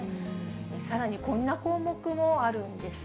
さらに、こんな項目もあるんです。